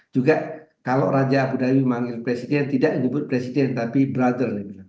juga kalau raja abu dhayu memanggil presiden tidak menyebut presiden tapi brother